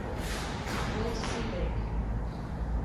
Where does he live?